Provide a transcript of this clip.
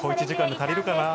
小一時間で足りるかな。